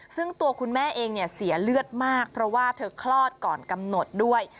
ซึ่งตัวคุณแม่เองเนี่ยเสียเลือดมากเพราะว่าเธอคลอดก่อนกำหนดด้วย